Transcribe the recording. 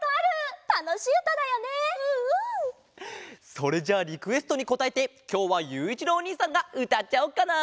それじゃあリクエストにこたえてきょうはゆういちろうおにいさんがうたっちゃおっかな。